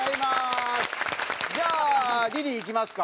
じゃあリリーいきますか？